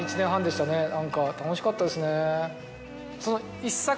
何か楽しかったですね。